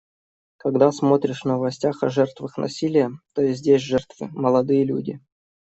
Когда смотришь в новостях о жертвах насилия, то и здесь жертвы — молодые люди.